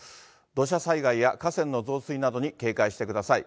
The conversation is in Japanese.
土砂災害や河川の増水などに警戒してください。